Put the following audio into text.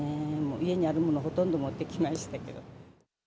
家にあるものはほとんど持ってきましたけど。